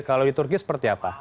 kalau di turki seperti apa